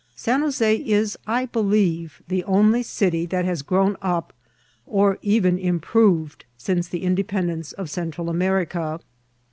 San Jos6 is, I believe, the only city that has grown up or even improved silice the independence of Central America.